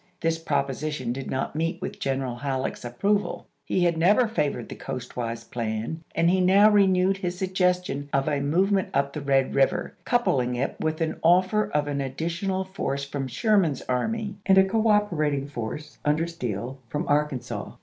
This proposi tion did not meet with General Halleck's approval. He had never favored the coastwise plan, and he now renewed his suggestion of a movement up the Red River, coupling it with an offer of an addi tional force from Sherman's army and a cooperat ing force, under Steele, from Arkansas.